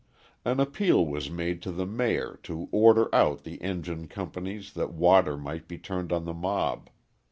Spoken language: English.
An appeal was made to the Mayor to order out the engine companies that water might be turned on the mob.